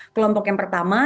kelompok yang pertama